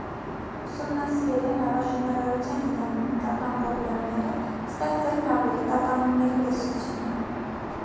Ուսումնասիրել է նավաշինարարության դինամիկական պրոբլեմները, ստեղծել նավերի տատանումների տեսությունը։